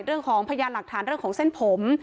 เรื่องของพญานหลักฐานเรื่องของเส้นผม